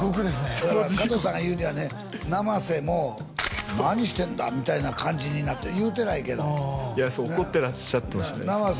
そう地獄加藤さんが言うにはね生瀬も何してんだみたいな感じになって言うてないけどいや怒ってらっしゃったかもしれないです